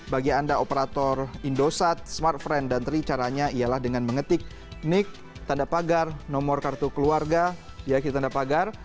bagi anda operator indosat smartfriend dan tri caranya ialah dengan mengetik nik tanda pagar nomor kartu keluarga yaitu tanda pagar